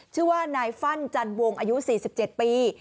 ชื่อว่านายฟั่นจันวงอายุ๔๗ปี